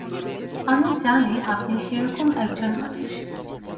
আমি জানি, আপনি সে-রকম এক জন মানুষ।